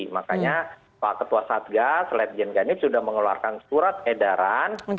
makanya pak ketua satgas ledjen ganip sudah mengeluarkan surat edaran